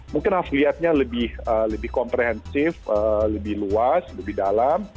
mungkin afiliatnya lebih komprehensif lebih luas lebih dalam